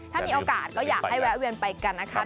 ถ้ามีโอกาสก็อยากให้แวะเวียนไปกันนะคะ